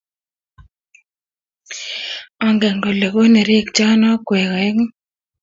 Anget kole konerekchon akwek aengu